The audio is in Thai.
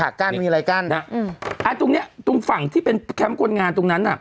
ตรงนี้ตรงฝั่งที่เป็นแคมป์คนงานตรงนั้น